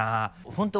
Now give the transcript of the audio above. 本当